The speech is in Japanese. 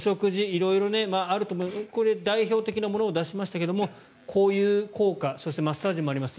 色々あると思いますがこれ、代表的なものを出しましたけれど、こういう効果そしてマッサージもあります。